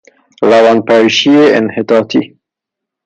روان پریشی انحطاطی